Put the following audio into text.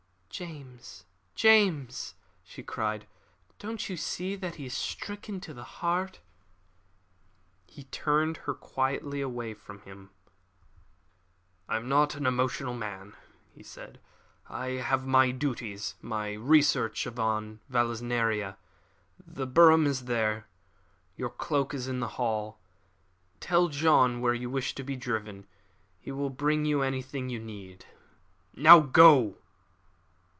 "James, James!" she cried. "Don't you see that he is stricken to the heart?" He turned her quietly away from him. "I am not an emotional man," he said. "I have my duties my research on Vallisneria. The brougham is there. Your cloak is in the hall. Tell John where you wish to be driven. He will bring you anything you need. Now go."